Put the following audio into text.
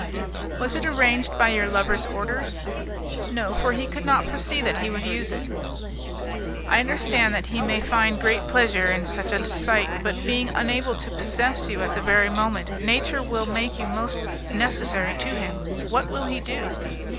"Was it arranged by your lover's orders?" "No, for he could not foresee that he would use it." "I understand that he may find great pleasure in such a sight, but being unable to possess you at the very moment nature will make you most necessary to him, what will he do?"